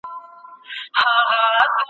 د موضوع مخینه ډېره اړینه ده.